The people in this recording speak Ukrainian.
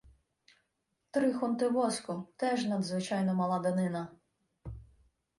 "Три хунти воску" — теж надзвичайно мала данина.